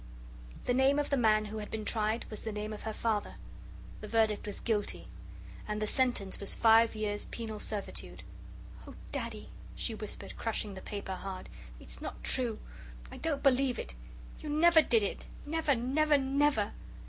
The name of the man who had been tried was the name of her Father. The verdict was 'Guilty.' And the sentence was 'Five years' Penal Servitude.' "Oh, Daddy," she whispered, crushing the paper hard, "it's not true I don't believe it. You never did it! Never, never, never!"